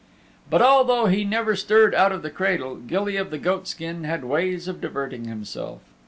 But although he never stirred out of the cradle, Gilly of the Goatskin had ways of diverting himself.